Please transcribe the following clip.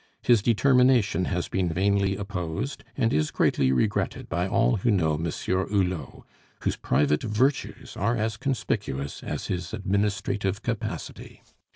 His determination has been vainly opposed, and is greatly regretted by all who know Monsieur Hulot, whose private virtues are as conspicuous as his administrative capacity.